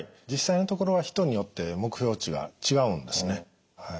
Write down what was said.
実際のところは人によって目標値が違うんですね。